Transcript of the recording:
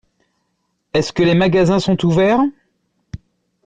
Est-ce que les magasins sont ouverts ?